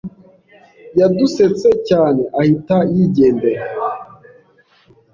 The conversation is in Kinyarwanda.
Yadusetse cyane ahita yigendera.